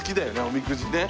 おみくじね。